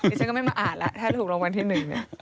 ฉันก็ไม่มาอ่านแล้วถ้าถูกรางวัลที่๑เนี่ย